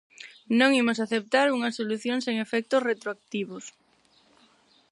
Non imos aceptar unha solución sen efectos retroactivos.